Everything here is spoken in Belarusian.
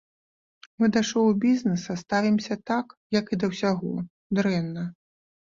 Мы да шоу-бізнеса ставімся так, як і да ўсяго, дрэнна.